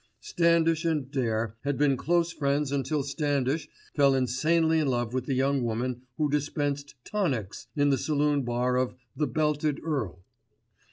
Standish and Dare had been close friends until Standish fell insanely in love with the young woman who dispensed "tonics" in the saloon bar of "The Belted Earl."